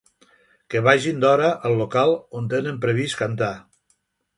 Que vagin d’hora al local on tenen previst cantar.